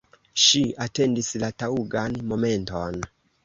Ŝi atendis la taŭgan momenton.